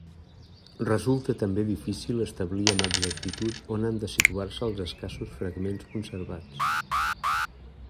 Resulta també difícil establir amb exactitud on han de situar-se els escassos fragments conservats.